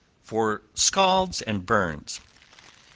For Scalds and Burns.